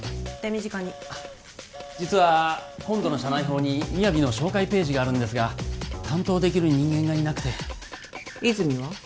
手短に実は今度の社内報に「ＭＩＹＡＶＩ」の紹介ページがあるんですが担当できる人間がいなくて和泉は？